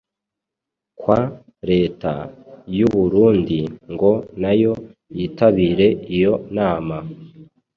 kwa leta y'u Burundi ngo nayo yitabire iyo nama".